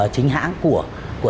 chính hãng của